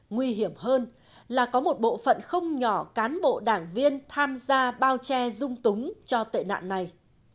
nguy hiểm hơn là có một bộ phận không nhỏ cán bộ đảng viên tham gia bao che dung túng cho tệ nạn này